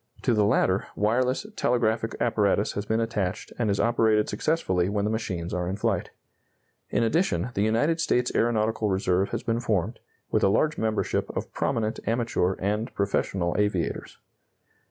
To the latter, wireless telegraphic apparatus has been attached and is operated successfully when the machines are in flight. In addition, the United States Aeronautical Reserve has been formed, with a large membership of prominent amateur and professional aviators.